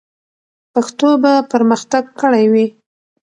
پښتو به پرمختګ کړی وي.